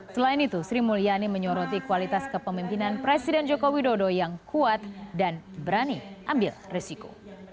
selain itu sri mulyani menyoroti kualitas kepemimpinan presiden joko widodo yang kuat dan berani ambil risiko